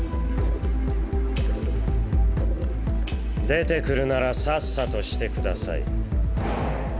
出てくるならさっさとしてください。